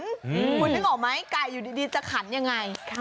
คุณรู้มั้ยไก่อยู่ดีจะขันอย่างไร